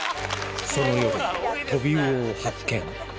その夜トビウオを発見